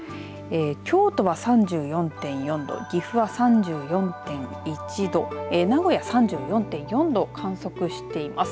京都は３４．４度岐阜は３４．１度名古屋３４．４度観測しています。